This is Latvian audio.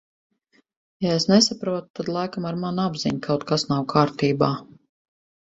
Ja es nesaprotu, tad laikam ar manu apziņu kaut kas nav kārtībā.